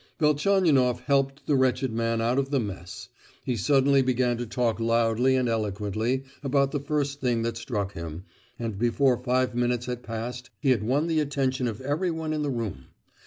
Velchaninoff helped the wretched man out of the mess. He suddenly began to talk loudly and eloquently about the first thing that struck him, and before five minutes had passed he had won the attention of everyone in the room.